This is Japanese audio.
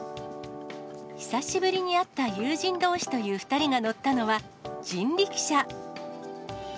久しぶりに会った友人どうしという２人が乗ったのは人力車。